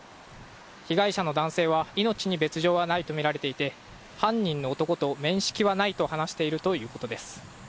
被害者の男性は命に別条はないとみられていて犯人の男と面識はないと話しているということです。